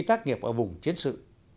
tác nghiệp ở vùng chiến sự